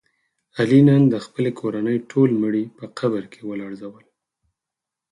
علي نن د خپلې کورنۍ ټول مړي په قبر کې ولړزول.